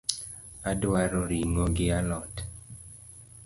Adwaro ring’o gi a lot